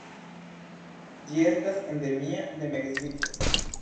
Ĝi estas endemia de Meksiko.